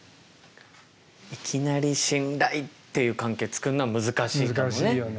いきなり信頼っていう関係をつくるのは難しいかもね。